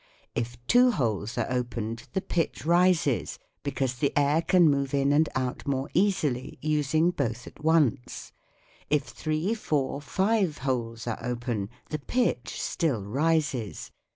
If two holes are opened the pitch rises because the air ^^^^^^^^^^^ can move in and out more easily, using both at once. If three, four, five holes are open the pitch still rises.